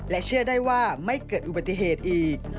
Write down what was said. เชื่อได้ว่าไม่เกิดอุบัติเหตุอีก